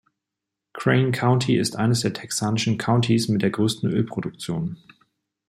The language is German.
Crane County ist eines der texanischen Counties mit der größten Ölproduktion.